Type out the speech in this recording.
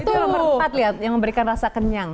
itu nomor empat lihat yang memberikan rasa kenyang